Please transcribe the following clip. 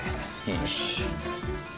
よし。